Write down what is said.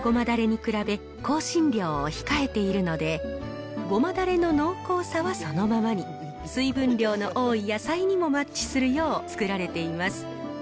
だれに比べ、香辛料を控えているので、ごまだれの濃厚さはそのままに、水分量の多い野菜にもマッチするよう作られています。